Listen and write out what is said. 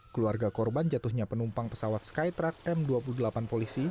keluarga korban jatuhnya penumpang pesawat skytruck m dua puluh delapan polisi